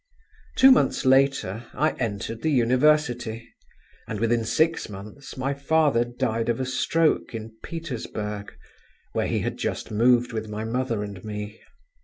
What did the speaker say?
Two months later, I entered the university; and within six months my father died of a stroke in Petersburg, where he had just moved with my mother and me.